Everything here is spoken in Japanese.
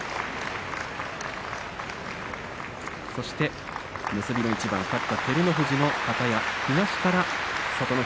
そして、結びの一番勝った照ノ富士のかたや、東から聡ノ